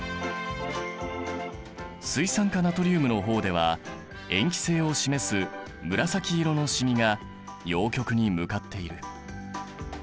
水酸化ナトリウムの方では塩基性を示す紫色の染みが陽極に向かっている。